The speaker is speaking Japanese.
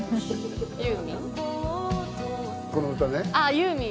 ユーミン？